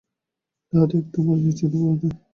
তাহাতে একটুও মরিচার চিহ্ন পড়ে নাই।